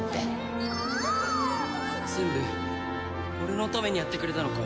全部俺のためにやってくれたのか？